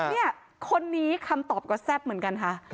เนี่ยคนนี้คำตอบก็แซ่บเหมือนกันค่ะ